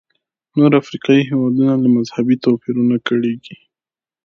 نور افریقایي هېوادونه له مذهبي توپیرونو کړېږي.